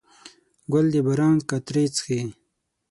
ګل د باران قطرې څښي.